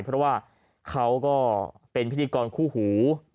เพราะว่าเขาก็เป็นพิธีกรคู่หู